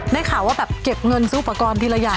ได้ข่าวว่าแบบเก็บเงินซื้ออุปกรณ์ทีละอย่าง